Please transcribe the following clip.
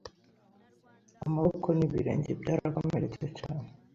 Amaboko nibirenge byarakomeretse cyane